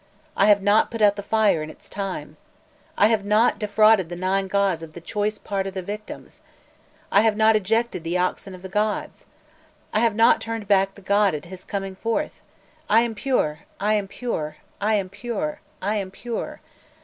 I have not put out the fire in its time! I have not defrauded the Nine Gods of the choice part of victims! I have not ejected the oxen of the gods! I have not turned back the god at his coming forth! I am pure! I am pure! I am pure! I am pure!